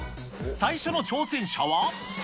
最初の挑戦者は。